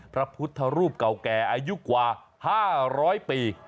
พระพุทธรูปเก่าแก่อายุกว่า๕๐๐ปี